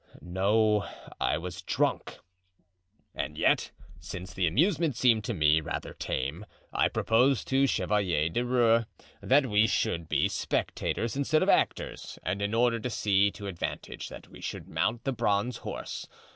"No, I was drunk. And yet, since the amusement seemed to me rather tame, I proposed to Chevalier de Rieux that we should be spectators instead of actors, and, in order to see to advantage, that we should mount the bronze horse.